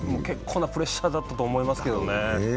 結構なプレッシャーだったと思いますけどね。